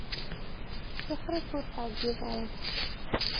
Tixeṛ-ik ur ttɛeyyiḍ ara.